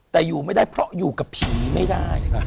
แต่อยู่ไม่ได้เพราะอยู่กับผีไม่ได้